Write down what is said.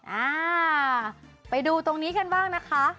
อ่าไปดูตรงนี้กันบ้างนะคะ